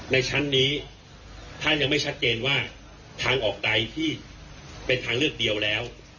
ในชั้นนี้ถ้ายังไม่ชัดเจนว่าทางออกใดที่เป็นทางเลือกเดียวแล้ว